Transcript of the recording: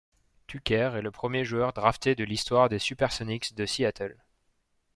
Tucker est le premier joueur drafté de l'histoire des SuperSonics de Seattle.